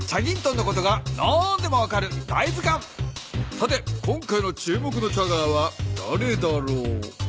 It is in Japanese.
さて今回の注目のチャガーはだれだろう？